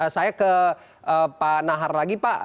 saya ke pak nahar lagi pak